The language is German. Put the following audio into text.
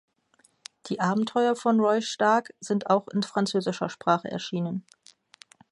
Die Abenteuer von Roy Stark sind auch in französischer Sprache erschienen.